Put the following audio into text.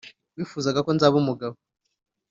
wifuzaga ko nzaba umugabo